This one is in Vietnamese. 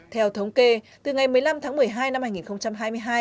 theo thống kê từ ngày một mươi năm tháng một mươi hai năm hai nghìn hai mươi hai